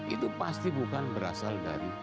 itu pasti bukan berasal dari